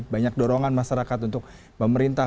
banyak dorongan masyarakat untuk pemerintah